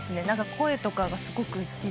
声とかがすごく好きで。